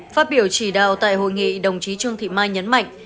phát biểu chỉ đạo tại hội nghị đồng chí trương thị mai nhấn mạnh